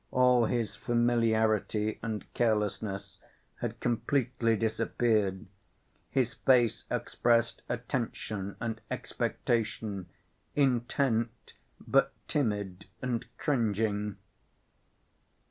All his familiarity and carelessness had completely disappeared. His face expressed attention and expectation, intent but timid and cringing.